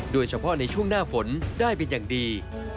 โดยเฉพาะในช่วงหน้าฝนได้เป็นอย่างดี